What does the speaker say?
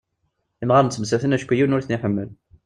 Imɣaren ttmettaten acku yiwen ur ten-iḥemmel..